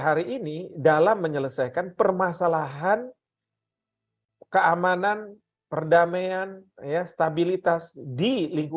sebaiknya akan mengeluh dengan per figured yang berkata ada di populated di berkata ada di dieta untuk pemilihan asean vkj dan britain dan bangunan yang iauu